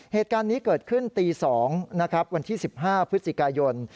เหตุการณ์นี้เกิดขึ้นตี๒นะครับวันที่๑๕พฤศจิกายน